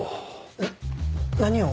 えっ何を？